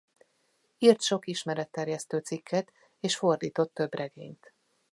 Írt sok ismeretterjesztő cikket és fordított több regényt.